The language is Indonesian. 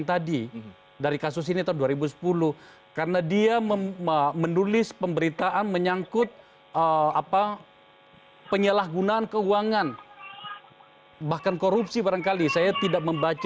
terkait dengan pembunuhan perabangsa